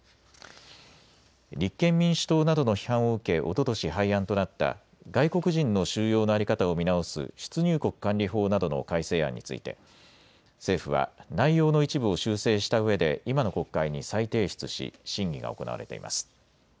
立憲民主党などの批判を受けおととし廃案となった外国人の収容の在り方を見直す出入国管理法などの改正案について政府は内容の一部を修正したうえで今の国会に再提出し審議が行われています。